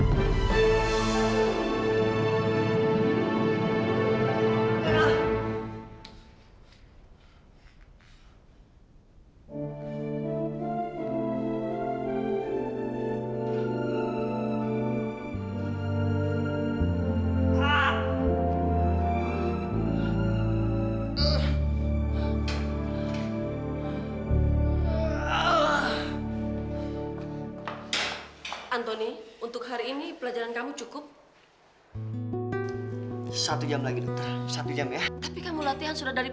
kok kok kamu bisa naik kursi roda sih